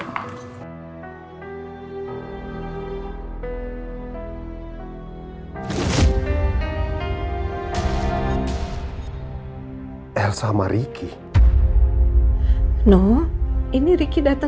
bisa di cek dulu